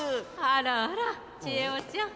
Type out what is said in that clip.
あらあらちえおちゃん。